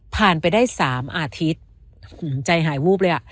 ผ่านไปได้สามอาทิตย์ใจหายวูบเลยอ่ะ